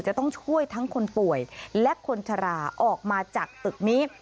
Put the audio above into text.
จะต้องช่วยทั้งคนป่วยและคนชะลาออกมาจากตึกนี้